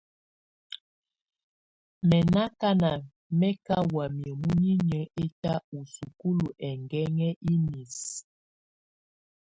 Mɛ̀ nà akana mɛ ka wamɛ̀á munyinyǝ ɛta u sukulu ɛkɛŋɛ inisǝ.